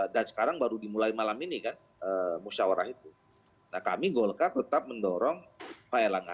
dan sekarang baru dimulai malam ini kan musyawarah itu nah kami golkar tetap mendorong pak elangga